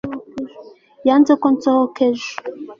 yanze ko nsohoka ejo